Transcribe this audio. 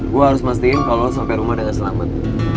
gue harus mastiin kalau lo sampai rumah dengan selamat